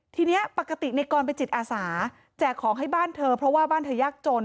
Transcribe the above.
ทีนี้ปกติในกรเป็นจิตอาสาแจกของให้บ้านเธอเพราะว่าบ้านเธอยากจน